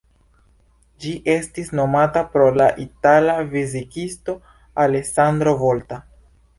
Ĝi estis nomata pro la itala fizikisto Alessandro Volta.